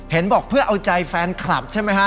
บอกเพื่อเอาใจแฟนคลับใช่ไหมฮะ